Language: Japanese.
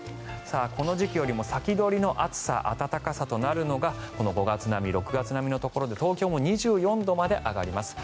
この時期よりも先取りの暑さ暖かさとなるのがこの５月並み６月並みのところで東京も２４度まで上がります。